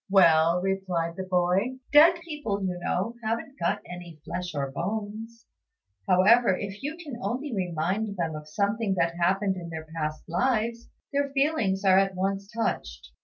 "Well," replied the boy, "dead people, you know, haven't got any flesh or bones; however, if you can only remind them of something that happened in their past lives, their feelings are at once touched.